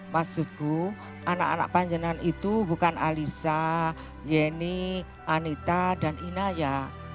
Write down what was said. maksudku anak anak panjenengan itu bukan alisa yeni anita dan inaya